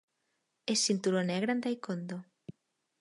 És cinturó negre en taekwondo.